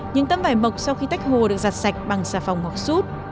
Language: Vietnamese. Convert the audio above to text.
những tấm vải mộc sau khi tách hồ được giặt sạch bằng xà phòng mọc sút